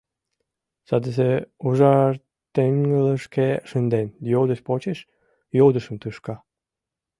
Садысе ужар теҥгылышке шынден, йодыш почеш йодышым тушка.